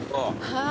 はい。